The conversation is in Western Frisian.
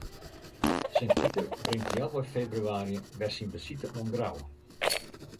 Sint Piter bringt healwei febrewaarje wer syn besite oan Grou.